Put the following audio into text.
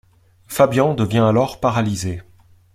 Fabian devient alors paralysé.